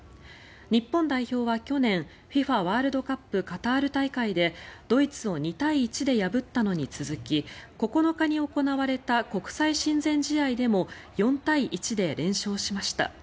日本代表は去年ＦＩＦＡワールドカップカタール大会でドイツを２対１で破ったのに続き９日に行われた国際親善試合でも４対１で連勝しました。